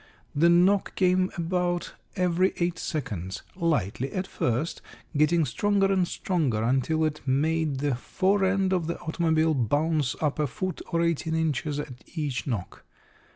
The knock came about every eight seconds, lightly at first, getting stronger and stronger until it made the fore end of the automobile bounce up a foot or eighteen inches at each knock.